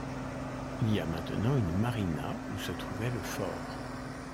Il y a maintenant une marina où se trouvait le fort.